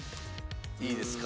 いいですか？